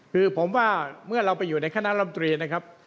คือผมว่าเมื่อเราไปอยู่ในคณะลำตรีนะครับ